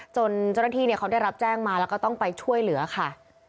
จนเจ้าหน้าที่เขาได้รับแจ้งมาแล้วก็ต้องไปช่วยเหลือค่ะ